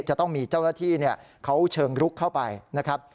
จะต้องมีเจ้าหน้าที่เขาเชิงลุกเข้าไปนะครับ